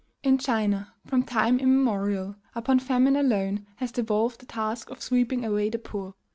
In China, from time immemorial, upon famine alone has devolved the task of sweeping away the poor.